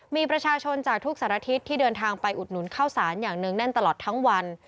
มีประชาชนจากทุกสารทิศที่เดินทางไปอุดหนุนข้าวสารอย่างเนื่องแน่นตลอดทั้งวัน